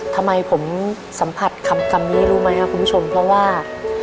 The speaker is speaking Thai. ทำไมผมสัมผัสคำนี้รู้ไหมครับคุณผู้ชมเพราะว่า